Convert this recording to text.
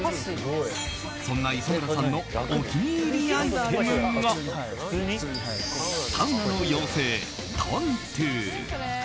そんな磯村さんのお気に入りアイテムがサウナの妖精、トントゥ。